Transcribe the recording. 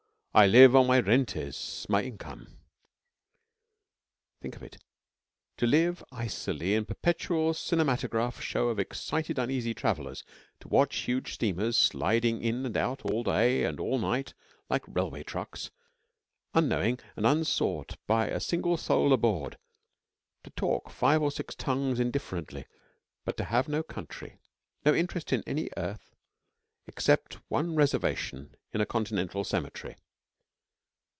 I live on my rentes my income.' Think of it! To live icily in a perpetual cinematograph show of excited, uneasy travellers; to watch huge steamers, sliding in and out all day and all night like railway trucks, unknowing and unsought by a single soul aboard; to talk five or six tongues indifferently, but to have no country no interest in any earth except one reservation in a Continental cemetery.